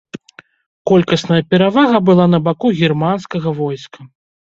Колькасная перавага была на баку германскага войска.